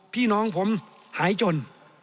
พี่น้องผมหายจน